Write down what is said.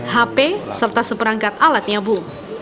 hp serta seperangkat alat nyabu